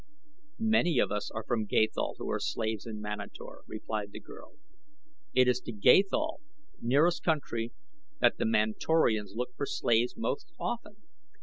"Many of us are from Gathol who are slaves in Manator," replied the girl. "It is to Gathol, nearest country, that the Manatorians look for slaves most often.